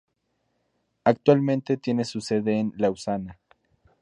Actualmente tiene su sede en Lausana.